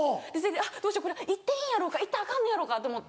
どうしよう行っていいんやろうか行ったらアカンのやろかと思って。